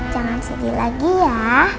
jangan sedih lagi ya